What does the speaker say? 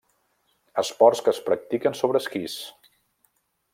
Esports que es practiquen sobre esquís.